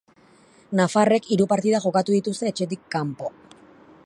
Nafarrek hiru partida jokatu dituzte etxetik kanpo.